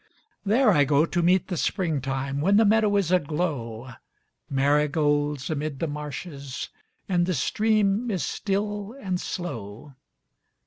There I go to meet the Springtime, When the meadow is aglow, Marigolds amid the marshes,—And the stream is still and slow.